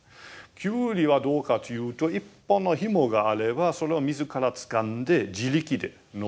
キュウリはどうかというと一本のひもがあればそれを自らつかんで自力で登ってくれるんですね。